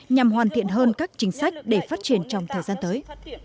nhằm hoàn thiện hơn các chính sách để phát triển trong thời gian tới